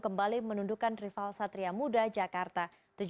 kembali menundukkan rival satria muda jakarta tujuh empat lima enam